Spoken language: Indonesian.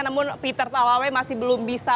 namun peter tawaw rehab masih belum bisa